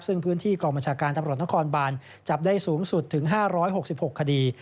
ซึ่งพื้นที่กองบัญชาการตำรวจนครบานจับได้สูงสุดถึง๕๖๖คดี